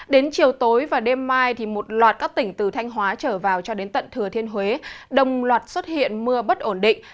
đến chiều tối và đêm mai một loạt các tỉnh từ thanh hóa trở vào cho đến tận thừa thiên huế đồng loạt xuất hiện mưa bất ổn định